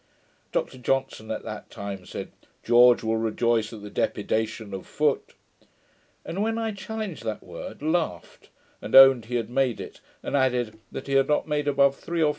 Dr Johnson at that time said, 'George will rejoice at the DEPEDITATION of Foote'; and when I challenged that word, laughed, and owned he had made it, and added that he had not made above three or four in his dictionary.